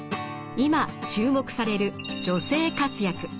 今注目される女性活躍。